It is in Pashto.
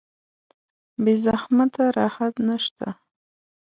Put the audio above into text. بې زحمته راحت نشته.